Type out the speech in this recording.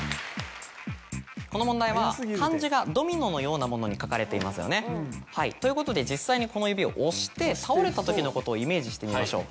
この問題は漢字がドミノのようなものに書かれていますよね。ということで実際にこの指を押して倒れたときのことをイメージしてみましょう。